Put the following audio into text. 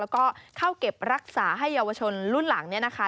แล้วก็เข้าเก็บรักษาให้เยาวชนรุ่นหลังเนี่ยนะคะ